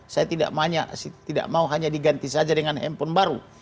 saya tidak mau hanya diganti saja dengan handphone baru